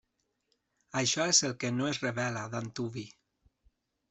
Això és el que no es revela d'antuvi.